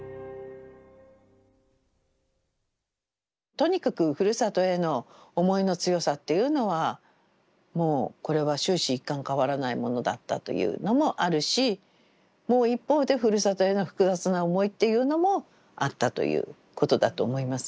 とにかくふるさとへの思いの強さっていうのはもうこれは終始一貫変わらないものだったというのもあるしもう一方でふるさとへの複雑な思いっていうのもあったということだと思います。